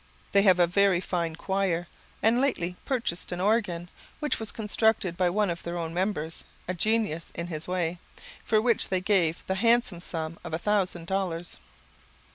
They have a very fine choir, and lately purchased an organ, which was constructed by one of their own members, a genius in his way, for which they gave the handsome sum of a thousand dollars.